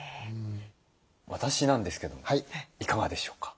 私なんですけどもいかがでしょうか？